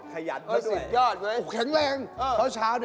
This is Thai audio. ขยันมาด้วยอุ๊ยแข็งแรงโอ๊ย๑๐ยาวด่วย